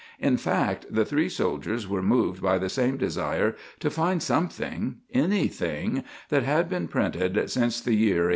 In fact, the three soldiers were moved by the same desire to find something anything that had been printed since the year 1864.